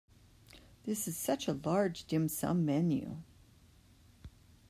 This is such a large dim sum menu.